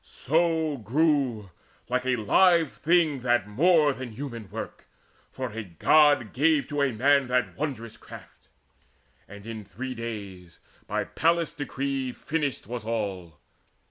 So grew Like a live thing that more than human work, For a God gave to a man that wondrous craft. And in three days, by Pallas's decree, Finished was all.